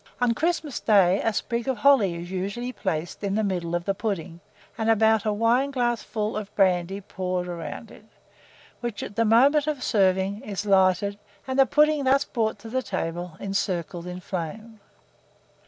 On Christmas day a sprig of holly is usually placed in the middle of the pudding, and about a wineglassful of brandy poured round it, which, at the moment of serving, is lighted, and the pudding thus brought to table encircled in flame.